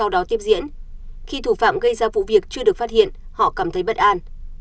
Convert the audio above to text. đó tiếp diễn khi thủ phạm gây ra vụ việc chưa được phát hiện họ cảm thấy bất an